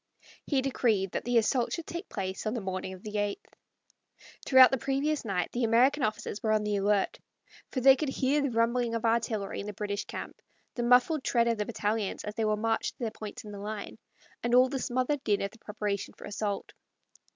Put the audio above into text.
He decreed that the assault should take place on the morning of the eighth. Throughout the previous night the American officers were on the alert, for they could hear the rumbling of artillery in the British camp, the muffled tread of the battalions as they were marched to their points in the line, and all the smothered din of the preparation for assault.